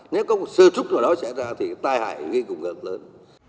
nếu có một sơ trúc nào đó xảy ra thì tai hại gây cục ngợt lớn